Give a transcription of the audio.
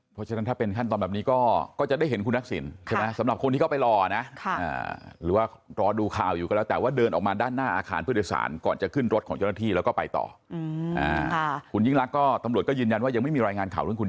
เพราะฉะนั้นถ้าเป็นขั้นตอนแบบนี้ก็จะได้เห็นคุณทักษิณใช่ไหมสำหรับคนที่เขาไปรอนะ